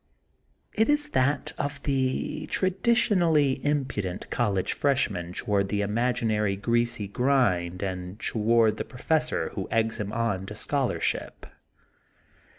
It is that of the traditionally impudent college freshman toward the imaginary greasy grind and toward the professor who eggs him on to scholarship.